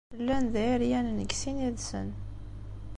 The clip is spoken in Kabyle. Llan d iɛeryanen deg sin yid-sen.